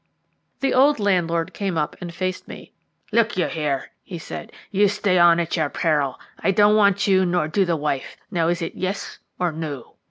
The old landlord came up and faced me. "Look you here," he said, "you stay on at your peril. I don't want you, nor do the wife. Now is it 'yes' or 'no'?"